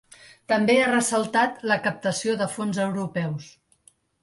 També ha ressaltat la captació de fons europeus.